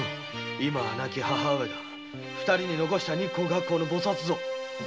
今は亡き母上が二人に残した「日光」「月光」の菩薩像。